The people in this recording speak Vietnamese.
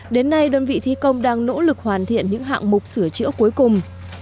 đến nay đơn vị thi công đang nỗ lực hoàn thiện những hạng mục sửa chữa cuối cùng